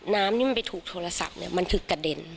น้ำที่มันไปถูกโทรศัพท์เนี่ยมันคือกระเด็น